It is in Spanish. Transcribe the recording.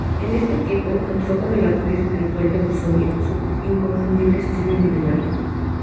En este tiempo encontró, con el apoyo espiritual de Busoni, su inconfundible estilo individual.